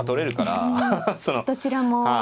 どちらも。